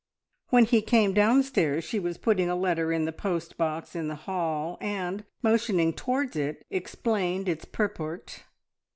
When he came downstairs, she was putting a letter in the post box in the hall, and, motioning towards it, explained its purport.